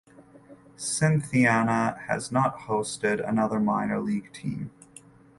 Cynthiana has not hosted another minor league team.